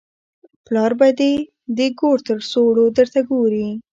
پلار به دې د ګور تر سوړو درته ګوري.